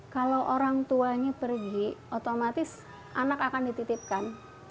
kalau anak anak itu pergi otomatis anak akan dititipkan